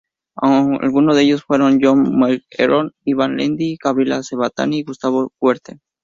Algunos de ellos fueron John McEnroe, Ivan Lendl, Gabriela Sabatini y Gustavo Kuerten.